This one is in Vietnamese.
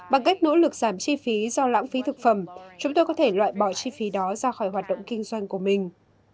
bằng cách nỗ lực giảm chi phí do lãng phí thực phẩm chúng tôi có thể loại bỏ chi phí đó ra khỏi hoạt động kinh doanh của mình